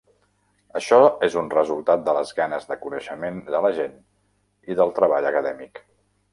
Això és un resultat de les ganes de coneixement de la gent i del treball acadèmic.